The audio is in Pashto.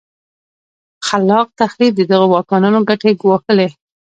خلا ق تخریب د دغو واکمنانو ګټې ګواښلې.